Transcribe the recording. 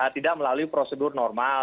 tidak melalui prosedur normal